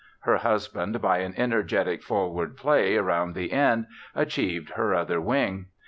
Her husband by an energetic forward play around the end achieved her other wing.